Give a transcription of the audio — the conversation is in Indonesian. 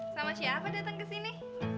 sama siapa datang kesini